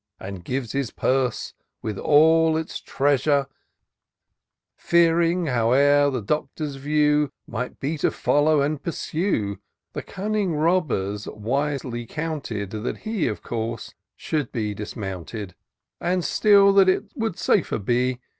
And gives his purse, with all its treasure. 16 TOUR OF DOCTOR SYNTAX Fearing, howe'er, the Doctor's view Might be to follow and pursue ; The cunning robbers wisely counted That he, of course, should be dismounted ; And still that it would safer be.